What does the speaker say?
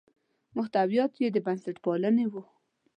محتویات یې د بنسټپالنې وو.